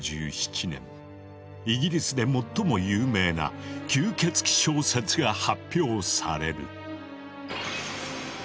イギリスで最も有名な吸血鬼小説が発表される。